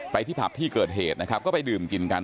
ที่ผับที่เกิดเหตุนะครับก็ไปดื่มกินกัน